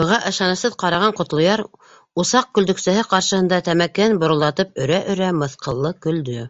Быға ышанысһыҙ ҡараған Ҡотлояр, усаҡ көлдөксәһе ҡаршыһында тәмәкеһен боролдатып өрә-өрә, мыҫҡыллы көлдө: